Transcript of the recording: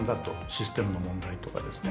システムの問題とかですね。